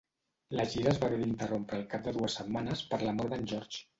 La gira es va haver d'interrompre al cap de dues setmanes per la mort d'en George.